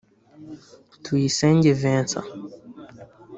Tuyisenge Vincent